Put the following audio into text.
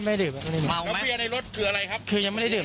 ผมไม่ได้มีเจตนาขนาดนั้นนะครับ